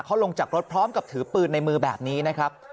เขาลงจากรถพร้อมกับถือปืนในมือแบบนี้นะครับ